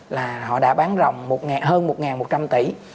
là họ đã bán rồng hơn một một trăm linh tỷ